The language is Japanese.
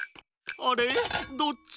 あれどっち？